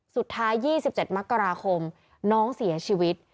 สุดท้าย๒๗มกราคมน้องเสียชีวิต